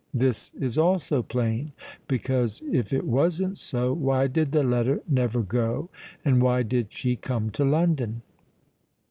This is also plain; because, if it wasn't so, why did the letter never go—and why did she come to London?"